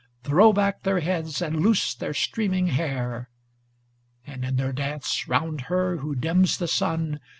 Throw back their heads and loose their streaming hair; And, in their dance round her who dims the sun.